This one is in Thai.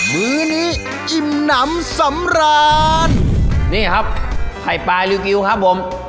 มื้อนี้อิ่มหนำสำราญนี่ครับไข่ปลาลึกครับผม